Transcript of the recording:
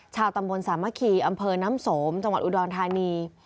ชาวตำบลสามะคีอำเภอน้ำสมจังหวัดอุดรธานี